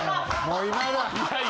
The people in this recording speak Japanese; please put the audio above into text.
もう今田。